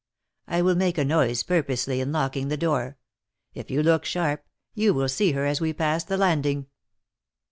I will make a noise purposely in locking the door; if you look sharp, you will see her as we pass the landing."